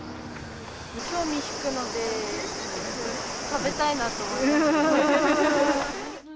興味引くので、食べたいなと思います。